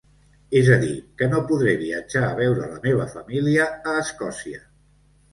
És a dir, que no podré viatjar a veure la meva família a Escòcia.